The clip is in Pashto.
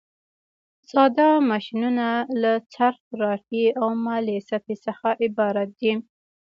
ساده ماشینونه له څرخ، رافعې او مایلې سطحې څخه عبارت دي.